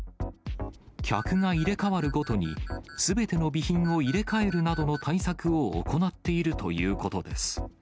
客が入れ代わるごとに、すべての備品を入れ替えるなどの対策を行っているということです。